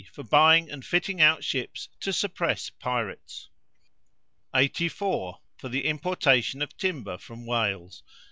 For buying and fitting out ships to suppress pirates. 84. For the importation of timber from Wales.